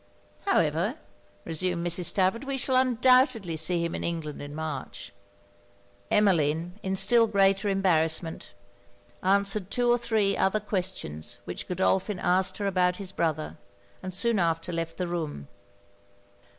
'However,' reassumed Mrs. Stafford, 'we shall undoubtedly see him in England in March.' Emmeline, in still greater embarrassment, answered two or three other questions which Godolphin asked her about his brother, and soon after left the room.